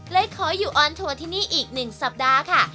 ขออยู่ออนทัวร์ที่นี่อีก๑สัปดาห์ค่ะ